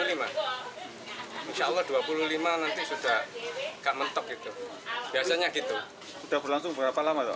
insya allah dua puluh lima nanti sudah gak mentok gitu biasanya gitu sudah berlangsung berapa lama tuh